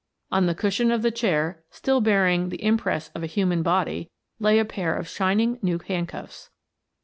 On the cushion of the chair, still bearing the impress of a human body, lay a pair of shining new handcuffs.